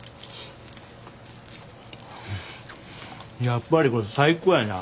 やっぱりこれ最高やな。